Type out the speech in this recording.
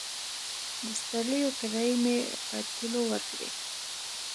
د سپرليو کرايې مې په تيلو ورکړې.